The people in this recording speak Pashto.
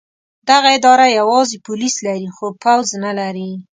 دغه اداره یوازې پولیس لري خو پوځ نه لري.